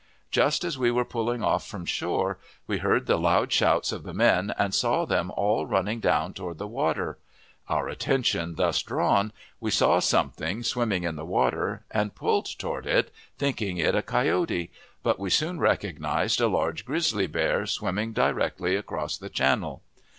Just as we were pulling off from shore, we heard the loud shouts of the men, and saw them all running down toward the water. Our attention thus drawn, we saw something swimming in the water, and pulled toward it, thinking it a coyote; but we soon recognized a large grizzly bear, swimming directly across the channel.